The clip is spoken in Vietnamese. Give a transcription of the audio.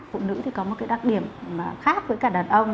phụ nữ thì có một cái đặc điểm khác với cả đàn ông